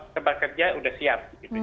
sempat kerja sudah siap gitu